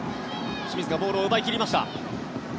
清水がボールを奪い切りました。